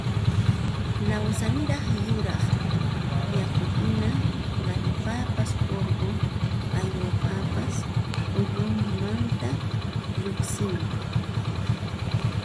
lawsaniraq yuraq yakuhina qaripapas urqu uywapapas ullunmanta lluqsimuq